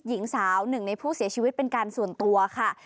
หญิงสาวหนึ่งในผู้เสียชีวิตเป็นการส่วนตัวค่ะ